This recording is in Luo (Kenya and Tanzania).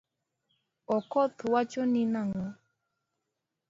Okoth wachoni nango?